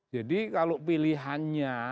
jadi kalau pilihannya